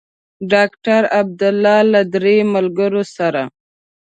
ډاکټر عبدالله له درې ملګرو سره.